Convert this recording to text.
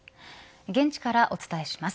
現地からお伝えします。